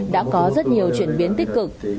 đã có rất nhiều chuyển biến tích cực